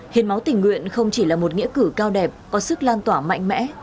hiên máu tỉnh nguyện không chỉ là một nghĩa cử cao đẹp có sức lan tỏa mạnh mẽ